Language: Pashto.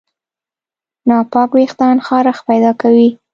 ناپاک وېښتيان خارښت پیدا کوي.